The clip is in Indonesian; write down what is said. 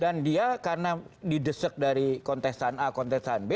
dan dia karena didesek dari kontestan a kontestan b